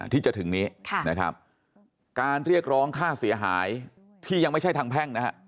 ที่จะถึงนี้นะครับการเรียกร้องค่าเสียหายที่ยังไม่ใช่ทางแพ่งนะฮะ